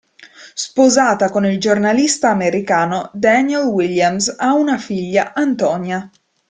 Sposata con il giornalista americano Daniel Williams, ha una figlia, Antonia.